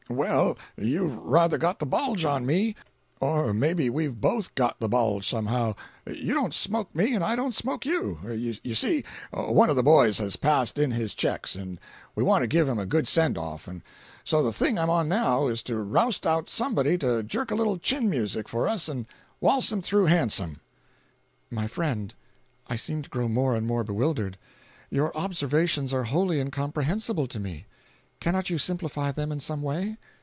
"Well, you've ruther got the bulge on me. Or maybe we've both got the bulge, somehow. You don't smoke me and I don't smoke you. You see, one of the boys has passed in his checks and we want to give him a good send off, and so the thing I'm on now is to roust out somebody to jerk a little chin music for us and waltz him through handsome." "My friend, I seem to grow more and more bewildered. Your observations are wholly incomprehensible to me. Cannot you simplify them in some way?